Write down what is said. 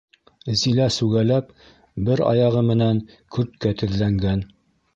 Зилә сүгәләп бер аяғы менән көрткә теҙләнгән.